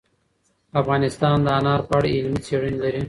افغانستان د انار په اړه علمي څېړنې لري.